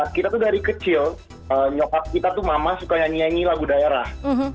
kita tuh dari kecil nyokap kita tuh mama suka yang nyanyi lagu daerah